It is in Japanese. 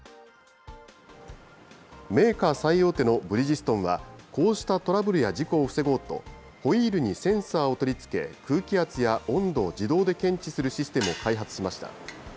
メーカー最大手のブリヂストンは、こうしたトラブルや事故を防ごうと、ホイールにセンサーを取り付け、空気圧や温度を自動で検知するシステムを開発しました。